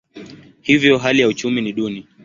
Hivyo hali ya uchumi ni duni.